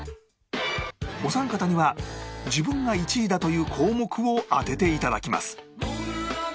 お三方には自分が１位だという項目を当てて頂きます